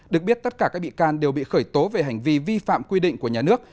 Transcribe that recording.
được biết tất cả các bị can đều bị khởi tố về hành vi vi phạm quy định của nhà nước